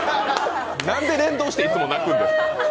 なんで連動して、いつも泣くんですか？